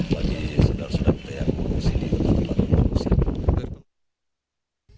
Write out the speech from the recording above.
bagi saudara saudara yang pengungsian di tempat pengungsian